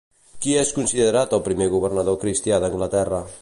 Qui és considerat el primer governador cristià d'Anglaterra?